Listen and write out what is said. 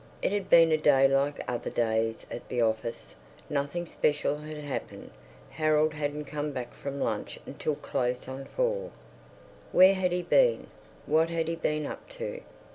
It had been a day like other days at the office. Nothing special had happened. Harold hadn't come back from lunch until close on four. Where had he been? What had he been up to?